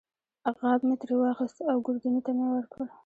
غاب مې ترې واخیست او ګوردیني ته مې ورکړ.